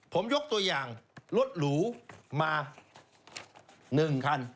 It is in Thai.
ผมยกตัวอย่างรถหรูมา๑คัน